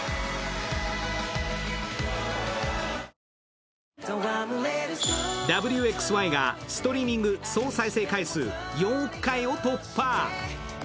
明星「中華三昧」「Ｗ／Ｘ／Ｙ」がストリーミング総再生数４億回を突破。